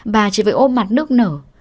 bà chỉ phải ôm mặt nước nở